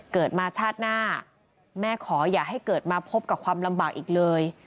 เกิดมาชาติหน้าแม่ขออย่าให้เกิดมาพบกับความลำบากอีกเลย